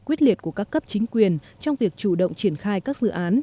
quyết liệt của các cấp chính quyền trong việc chủ động triển khai các dự án